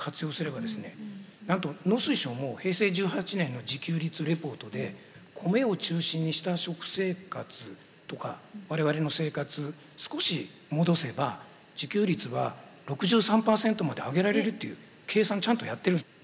なんと農水省も平成１８年の自給率レポートでコメを中心にした食生活とか我々の生活少し戻せば自給率は６３％まで上げられるという計算ちゃんとやってる。